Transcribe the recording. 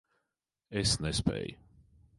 Es nespēju.